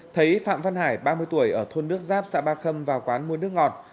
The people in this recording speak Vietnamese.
thấy phạm văn hải ba mươi tuổi ở thôn nước giáp xã ba khâm vào quán mua nước ngọt